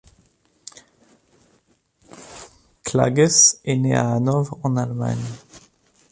Klages est né à Hanovre, en Allemagne.